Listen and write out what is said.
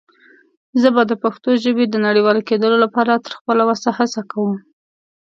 زه به دَ پښتو ژبې د نړيوال کيدلو لپاره تر خپله وسه هڅه وکړم.